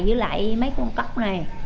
với lại mấy con cóc này